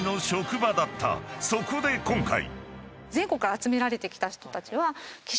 ［そこで今回］